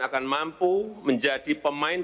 akan mampu menjadi pemain